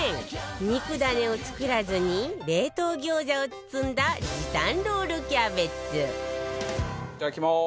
肉ダネを作らずに冷凍餃子を包んだ時短ロールキャベツいただきます。